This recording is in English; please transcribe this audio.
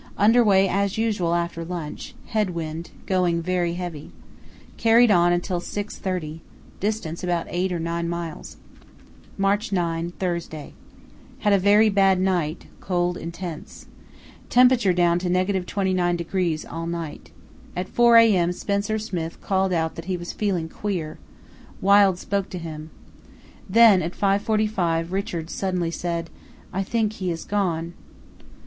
Under way as usual after lunch; head wind, going very heavy. Carried on until 6.30. Distance about eight or nine miles. "March 9, Thursday.—Had a very bad night, cold intense. Temperature down to —29° all night. At 4 a.m. Spencer Smith called out that he was feeling queer. Wild spoke to him. Then at 5.45 Richards suddenly said, 'I think he has gone.